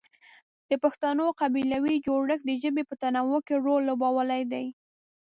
د پښتنو قبیلوي جوړښت د ژبې په تنوع کې رول لوبولی دی.